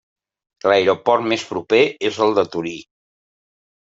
L'aeroport més proper és el de Torí.